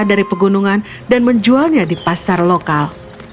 dari pegunungan dan menjualnya di pasar lokal